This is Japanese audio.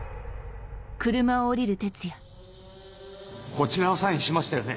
こちらはサインしましたよね？